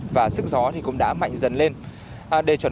và sức gió cũng đã mạnh dần lên